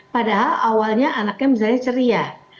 padahal awalnya anaknya misalnya ceria